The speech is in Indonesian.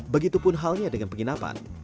begitupun halnya dengan penginapan